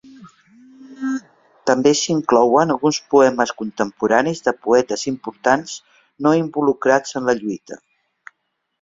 També s'inclouen alguns poemes contemporanis de poetes importants no involucrats en la lluita.